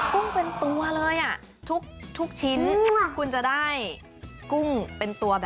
กุ้งเป็นตัวเลยอ่ะทุกชิ้นคุณจะได้กุ้งเป็นตัวแบบ